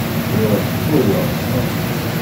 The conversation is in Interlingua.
Io es furiose.